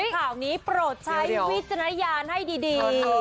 ข่าวนี้โปรดใช้วิจารณญาณให้ดี